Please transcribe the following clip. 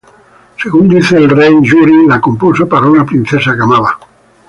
Según dice el rey, Yuri la compuso para una princesa que amaba.